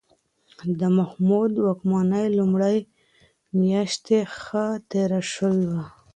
د محمود د واکمنۍ لومړۍ میاشتې ښه تېرې شوې.